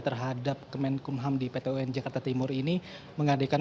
terhadap kemenkumham di pt un jakarta timur ini mengadakan